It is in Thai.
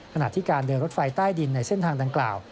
ขณะที่การเดินรถไฟใต้ดินในเส้นทางดังกล่าว